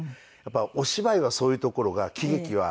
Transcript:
お芝居はそういうところが喜劇はすごく。